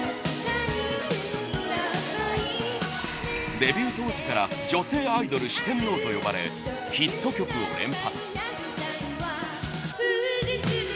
デビュー当時から「女性アイドル四天王」と呼ばれヒット曲を連発！